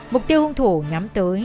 mục tiêu hung thủ nhắm tới